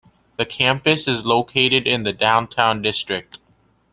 The campus is located in the downtown district.